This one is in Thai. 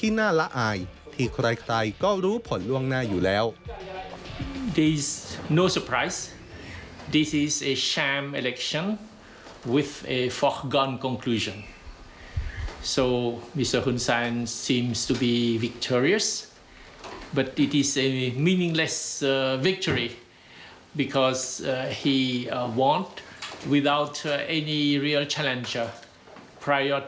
สมรังสีผู้นำฝ่ายคารคนสำคัญที่ตอนนี้รีบภายในฟรั่งเศรษฐ์